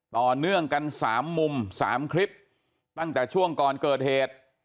ต่อเนื่องกัน๓มุม๓คลิปตั้งแต่ช่วงก่อนเกิดเหตุ